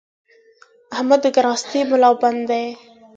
احمد د کراستې ملابند دی؛